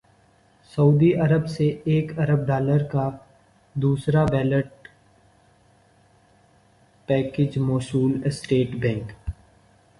سعودی Arab سے ایک ارب ڈالر کا دوسرا بیل اٹ پیکج موصول اسٹیٹ بینک